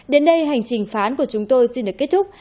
đến đây hành trình phán của chúng tôi xin được kết thúc